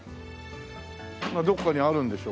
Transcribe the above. どこかにあるんでしょう